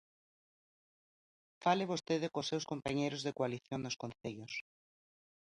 Fale vostede cos seus compañeiros de coalición nos concellos.